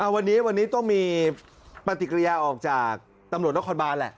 วันนี้วันนี้ต้องมีปฏิกิริยาออกจากตำรวจนครบานแหละ